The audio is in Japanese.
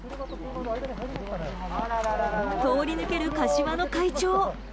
通り抜ける柏の怪鳥。